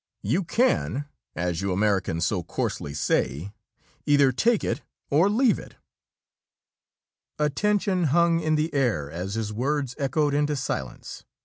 You can, as you Americans so coarsely say, either take it or leave it." A tension hung in the air, as his words echoed into silence.